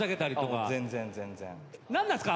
何なんすか？